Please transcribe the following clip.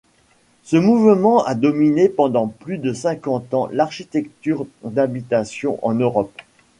Ce mouvement a dominé pendant plus de cinquante ans l'architecture d'habitation en Europe.